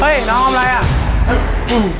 ไม่ต้องกลับมาที่นี่